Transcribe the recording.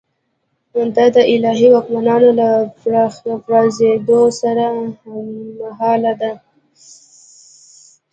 دا د الهي واکمنانو له پرځېدو سره هممهاله ده.